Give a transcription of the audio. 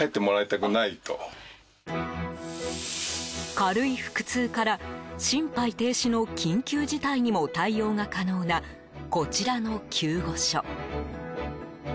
軽い腹痛から、心肺停止の緊急事態にも対応が可能なこちらの救護所。